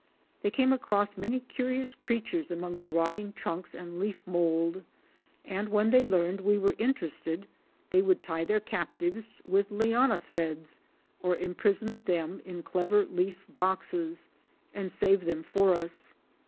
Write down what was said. They came across many curious creatures among the rotting trunks and leaf mould, and when they learned we were inter ested, they would tie their captives with liana threads, or imprison them in clever leaf boxes, and save them for us.